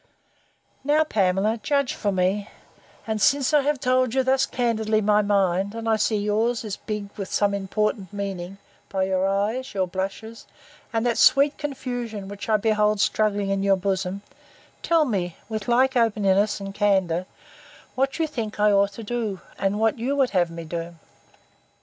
Now, Pamela, judge for me; and, since I have told you, thus candidly, my mind, and I see yours is big with some important meaning, by your eyes, your blushes, and that sweet confusion which I behold struggling in your bosom, tell me, with like openness and candour, what you think I ought to do, and what you would have me do.